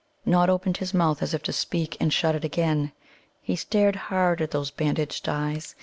Nod opened his mouth as if to speak, and shut it again. He stared hard at those bandaged eyes.